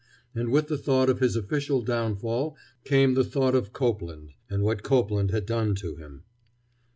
And with the thought of his official downfall came the thought of Copeland and what Copeland had done to him.